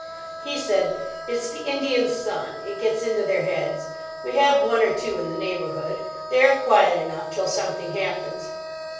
"He said, 'It's the Indian sun. It gets into their heads. We have one or two in the neighbourhood. They are quiet enough till something happens.